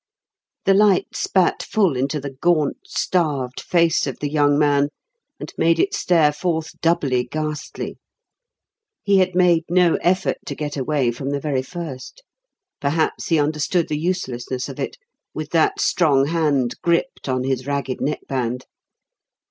The light spat full into the gaunt, starved face of the young man and made it stare forth doubly ghastly. He had made no effort to get away from the very first. Perhaps he understood the uselessness of it, with that strong hand gripped on his ragged neckband.